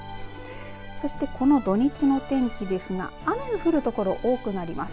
そしてこの土日の天気ですが雨の降るところ多くなります。